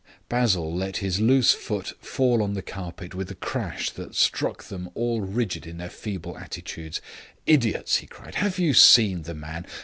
Basil let his loose foot fall on the carpet with a crash that struck them all rigid in their feeble attitudes. "Idiots!" he cried. "Have you seen the man?